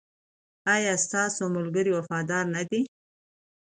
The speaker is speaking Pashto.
ایا ستاسو ملګري وفادار نه دي؟